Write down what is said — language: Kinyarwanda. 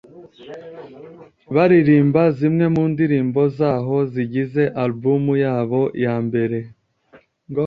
baririmba zimwe mu ndirimbo zaho zigize album yabo ya mbere